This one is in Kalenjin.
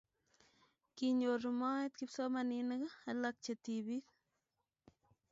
kinyoru moet kipsomaninik alak che tibik